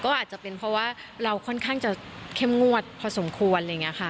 ก็อาจจะเป็นเพราะว่าเราค่อนข้างจะเข้มงวดพอสมควร